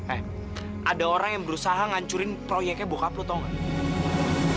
eh ada orang yang berusaha ngancurin proyeknya bokap lu tau gak